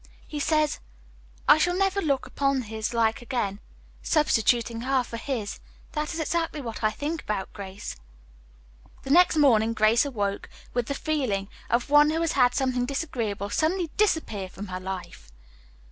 He says, 'I shall never look upon his like again.' Substituting 'her' for 'his,' that is exactly what I think about Grace." The next morning Grace awoke with the feeling of one who has had something disagreeable suddenly disappear from her life.